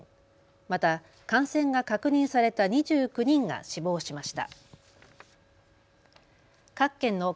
また感染が確認された２９人が死亡しました。